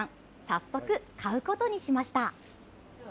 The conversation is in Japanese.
早速、買うことにしました。